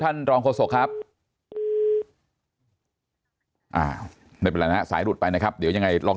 อ่าไม่เป็นอะไรนะสายหลุดไปนะครับเดี๋ยวยังไงลอง